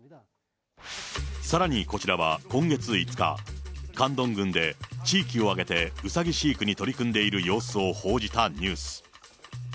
さらにこちらは今月５日、カンドン郡で地域を挙げて、うさぎ飼育に取り組んでいる様子を報じたニュース。